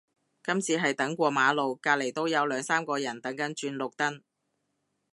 今次係等過馬路，隔離都有兩三個人等緊轉綠燈